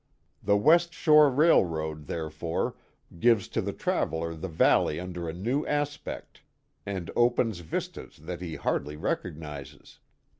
The West Shore RaUroad, therefore, gives to the traveller the valley under a new aspect and opens vistas that he hardly recognizes.